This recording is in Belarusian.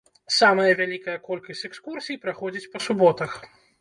Самая вялікая колькасць экскурсій праходзіць па суботах.